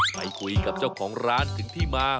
ไปคุยกับเจ้าของร้านถึงที่มา